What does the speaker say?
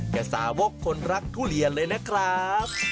สาวกคนรักทุเรียนเลยนะครับ